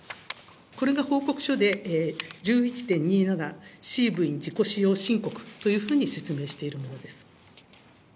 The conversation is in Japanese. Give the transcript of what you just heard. これが報告書で１１．２７、Ｃ部員自己使用申告というふうに説明しているものです。